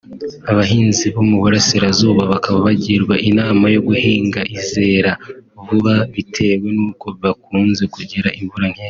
abahinzi bo mu Burasirazuba bakaba bagirwa inama yo guhinga izera vuba bitewe n’uko bakunze kugira imvura nkeya